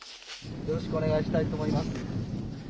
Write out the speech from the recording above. よろしくお願いしたいと思います。